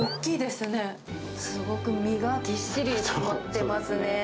すごく身がぎっしり詰まってますね。